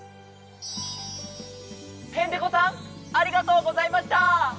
ヘンテコさんありがとうございました！